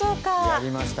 やりました。